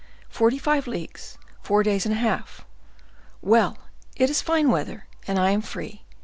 Forty five leagues—four days and a half! Well, it is fine weather, and I am free.